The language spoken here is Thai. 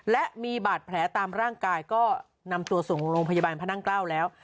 และมีบาดแผลตามร่างกายก็นำตัวส่งโรงพยาบาลพระนั่งเกล้าแล้ว